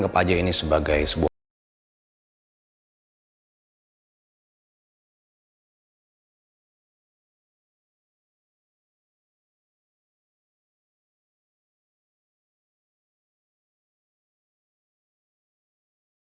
hanya dulu mikir whit alam